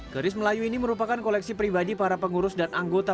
keris melayu ini merupakan koleksi pribadi para pengurus dan anggota